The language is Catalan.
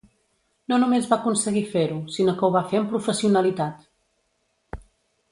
No només va aconseguir fer-ho, sinó que ho va fer amb professionalitat!